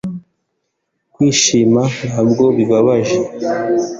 kwishima ntabwo bibabaje